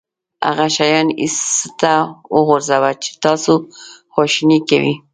هغه شیان ایسته وغورځوه چې تاسو خواشینی کوي.